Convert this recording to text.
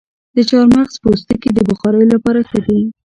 د چارمغز پوستکي د بخارۍ لپاره ښه دي؟